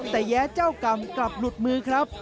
แต่แย้เจ้ากรรมกลับหลุดมือครับ